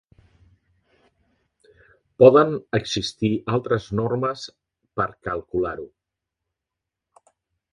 Poden existir altres normes per calcular-ho.